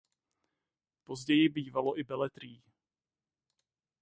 Později vydávalo i beletrii.